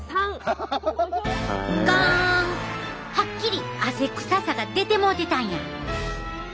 ハッキリ汗臭さが出てもうてたんや！